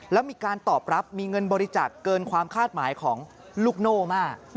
แล้วมีการตอบรับมีเงินบริจาคเกินความคาดหมายของลูกโน่มาก